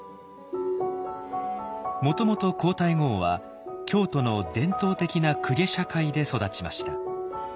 もともと皇太后は京都の伝統的な公家社会で育ちました。